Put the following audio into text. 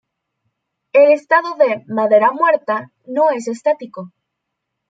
El estado de "madera muerta" no es estático.